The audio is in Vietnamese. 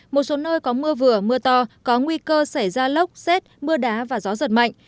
một số nơi có mưa vừa mưa to có nguy cơ xảy ra lốc xét mưa đá và gió giật mạnh